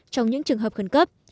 trong những trường hợp khẩn cấp